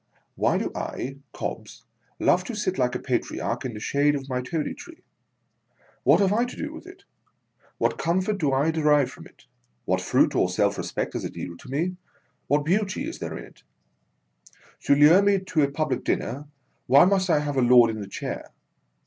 Why do I, Cobbs, love to sit like a Patriarch, in the shade of my Toady Tree ! What have I to do with it"? What comfort do I derive from it, what fruit of self respect does it yield to me, what beauty is there in it 1 To lure me to a Public Dinner, why must I have a Lord in the chair